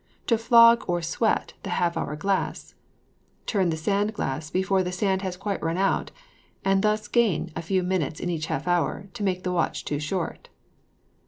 To flog or sweat the half hour glass. To turn the sand glass before the sand has quite run out, and thus gaining a few minutes in each half hour, make the watch too short.